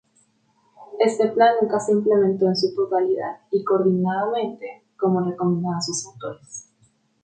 Este plan nunca se implementó en su totalidad y coordinadamente, como recomendaban sus autores.